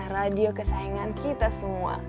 radio kesayangan kita semua